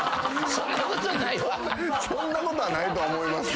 そんなことはないと思いますけど。